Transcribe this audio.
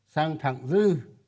sang thẳng dư